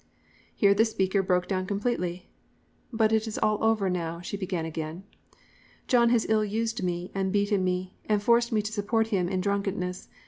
"Here the speaker broke down completely. "'But it's all over now,' she began again. "'John has ill used me, and beaten me, and forced me to support him in drunkenness.